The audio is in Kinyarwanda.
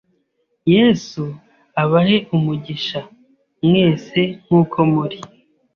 Yesu abahe umugisha!mwese nkuko muri